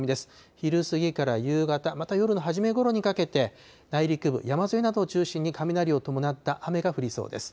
昼過ぎから夕方、また夜の初めごろにかけて、内陸部、山沿いなどを中心に雷を伴った雨が降りそうです。